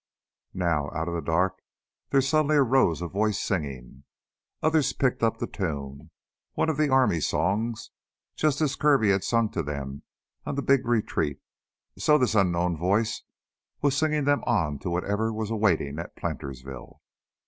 Now, out of the dark there suddenly arose a voice, singing. Others picked up the tune, one of the army songs. Just as Kirby had sung to them on the big retreat, so this unknown voice was singing them on to whatever was awaiting at Plantersville.